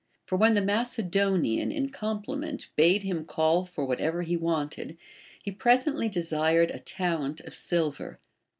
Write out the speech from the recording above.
For Avhen the Macedonian in compliment bade him call for whatever he wanted, he presently desired a talent of silver.